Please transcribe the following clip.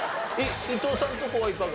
伊藤さんとこはいかが？